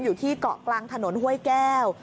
อยู่ที่เกาะกลางถนนห้วยแก้ว